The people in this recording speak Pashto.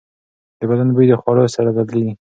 د بدن بوی د خوړو سره بدلېږي.